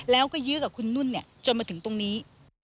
แล้วก็ยื้อกับคุณนุ่นจนมาถึงตรงนี้